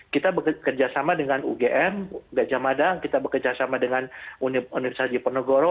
kita bekerjasama dengan ugm gajah madang kita bekerjasama dengan universitas jeponegoro